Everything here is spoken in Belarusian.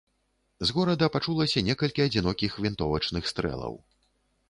З горада пачулася некалькі адзінокіх вінтовачных стрэлаў.